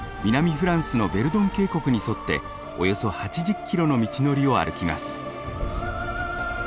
フランスのヴェルドン渓谷に沿っておよそ８０キロの道のりを歩きます。